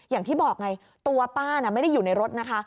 อย่างที่บอกไงตัวป้าน่ะไม่ได้อยู่ในรถนะคะ